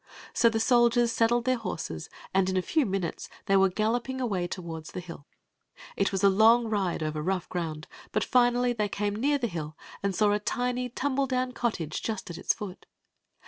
So the soldiers saddled the horses, and in a few minutes they were galloping away toward the hill. It was a long ride, over rough grc^di ; but fiaatty they came near the hill and saw a tiny, MiMmIowr cottage just at its foot.